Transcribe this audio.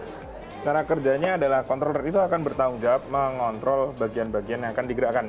cara kerjanya adalah controller itu akan bertanggung jawab mengontrol bagian bagian yang akan digerakkan